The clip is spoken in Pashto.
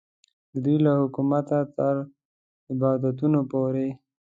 د دوی له حکومته تر عبادتونو پورې.